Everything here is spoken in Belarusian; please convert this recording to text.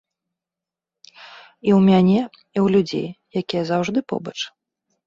І ў мяне, і ў людзей, якія заўжды побач.